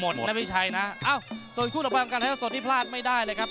ส่วนส่วนที่พลาดไม่ได้เลยครับ